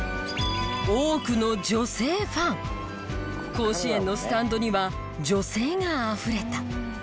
甲子園のスタンドには女性があふれた。